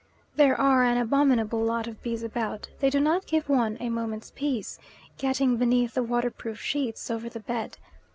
There are an abominable lot of bees about; they do not give one a moment's peace, getting beneath the waterproof sheets over the bed.